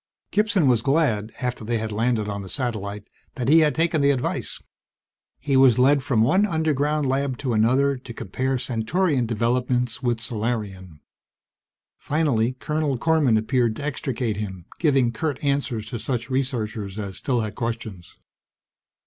Gibson was glad, after they had landed on the satellite, that he had taken the advice. He was led from one underground lab to another, to compare Centaurian developments with Solarian. Finally, Colonel Korman appeared to extricate him, giving curt answers to such researchers as still had questions.